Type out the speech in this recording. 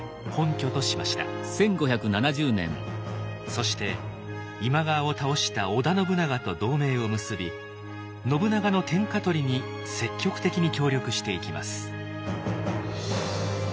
そして今川を倒した織田信長と同盟を結び信長の天下取りに積極的に協力していきます。